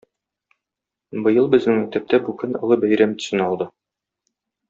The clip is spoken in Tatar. Быел безнең мәктәптә бу көн олы бәйрәм төсен алды.